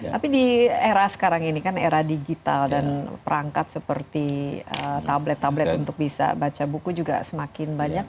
tapi di era sekarang ini kan era digital dan perangkat seperti tablet tablet untuk bisa baca buku juga semakin banyak